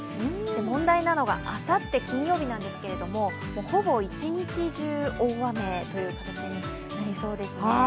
問題なのがあさって金曜日なんですけどほぼ一日中大雨という感じになりそうですね。